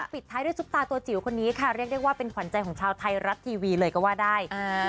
ปิดท้ายด้วยซุปตาตัวจิ๋วคนนี้ค่ะเรียกได้ว่าเป็นขวัญใจของชาวไทยรัฐทีวีเลยก็ว่าได้